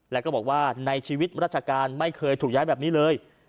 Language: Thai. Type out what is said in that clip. แล้วก็บอกว่าในชีวิตราชการไม่เคยถูกย้ายแบบนี้เลย